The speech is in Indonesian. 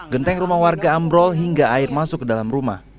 genteng rumah warga ambrol hingga air masuk ke dalam rumah